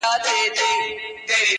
خو خدای دي وکړي چي -